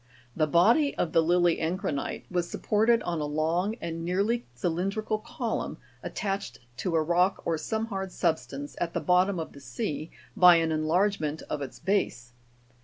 The body of the lily encrinite was supported on a long and nearly cylindrical column, attached to a rock or some hard substance at the bottom of the sea by an enlargement of its base.